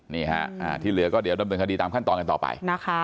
นี่ฮะที่เหลือก็เดี๋ยวดำเนินคดีตามขั้นตอนกันต่อไปนะคะ